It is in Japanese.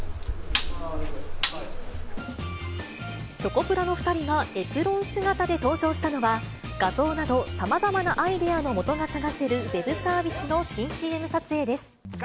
チョコプラの２人がエプロン姿で登場したのは、画像など、さまざまなアイデアのもとが探せるウェブサービスの新ＣＭ撮影です。